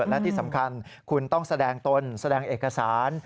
และที่สำคัญคุณต้องแสดงตนแสดงเอกสาร